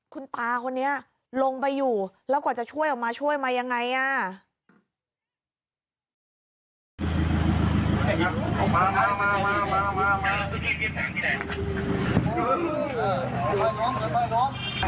คุณตาคนนี้ลงไปอยู่แล้วกว่าจะช่วยออกมาช่วยมายังไงอ่ะ